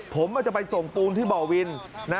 ผมอาจจะไปส่งกูลที่เบาะวิน